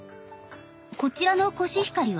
こちらのコシヒカリは？